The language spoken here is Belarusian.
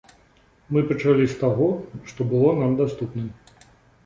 Мы пачалі з таго, што было нам даступным.